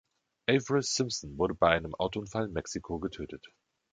Avril Simpson wurde bei einem Autounfall in Mexiko getötet.